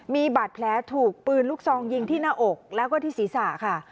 มีบาดแผลถูกปืนลูกซองยิงที่หน้าอกแล้วก็ที่ศีรษะค่ะ